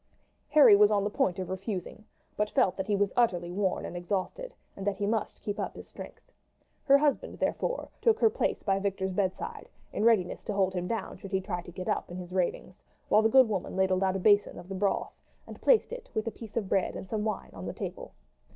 Harry was on the point of refusing; but he felt that he was utterly worn and exhausted, and that he must keep up his strength. Her husband, therefore, took her place by Victor's bedside in readiness to hold him down should he try to get up in his ravings, while the good woman ladled out a basin of the broth and placed it with a piece of bread and some wine on the table.